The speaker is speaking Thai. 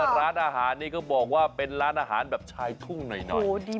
ร้านอาหารนี้ก็บอกว่าเป็นร้านอาหารแบบชายทุ่งหน่อย